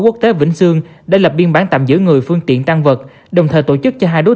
quốc tế vĩnh sương đã lập biên bản tạm giữ người phương tiện tăng vật đồng thời tổ chức cho hai đối